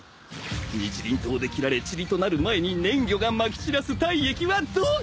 日輪刀で斬られちりとなる前に粘魚がまき散らす体液は毒だ！